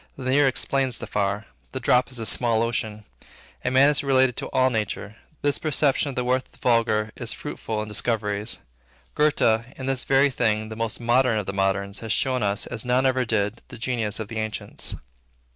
The near explains the far. The drop is a small ocean. A man is related to all nature. This perception of the worth of the vulgar is fruitful in discoveries. Goethe, in this very thing the most modern of the moderns, has shown us, as none ever did, the genius of the ancients.